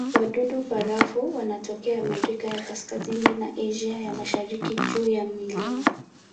Wadudu-barafu wanatokea Amerika ya Kaskazini na Asia ya Mashariki juu ya milima.